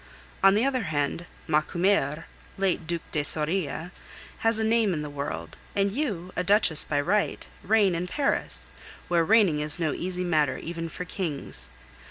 On the other hand, Macumer, late Duc de Soria, has a name in the world, and you, a duchess by right, reign in Paris, where reigning is no easy matter even for kings.